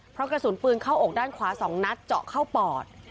เพราะกระสุนปืนเข้าอกด้านขวา๒นัดเจาะเข้าปอด